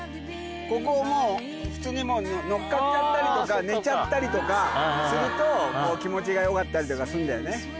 ここもう普通に乗っかっちゃったりとか寝ちゃったりとかすると気持ちがよかったりとかするんだよね。